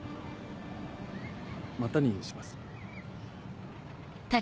またにします。